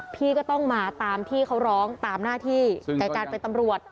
พี่ก็ต้องมาตามที่เขาร้องตามหน้าที่ในการเป็นตำรวจ